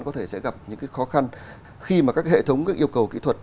có thể sẽ gặp những cái khó khăn khi mà các hệ thống các yêu cầu kỹ thuật